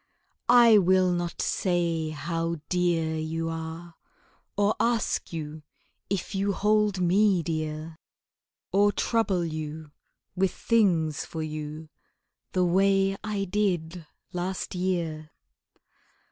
I will not say how dear you are, Or ask you if you hold me dear, Or trouble you with things for you The way I did last year.